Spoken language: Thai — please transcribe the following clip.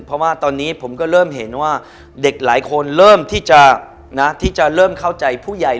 เพราะว่าตอนนี้ผมก็เริ่มเห็นว่าเด็กหลายคนเริ่มที่จะเริ่มเข้าใจผู้ใหญ่